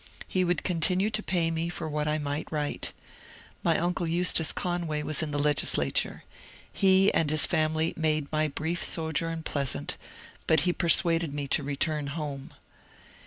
He would continue to pay me tor what I might write. My uncle Eustace Conway was in the Legislature. He and his family made my brief sojourn pleasant, but he persuaded me to return home.